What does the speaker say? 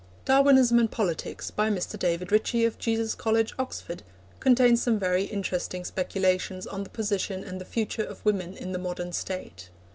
Darwinism and Politics, by Mr. David Ritchie, of Jesus College, Oxford, contains some very interesting speculations on the position and the future of women in the modern State.